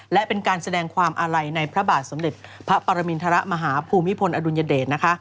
และเป็นการแสดงความอาลัยในพระบาทสมเด็จพระปรมินทรมาฮภูมิพลอดุลยเดชนะคะ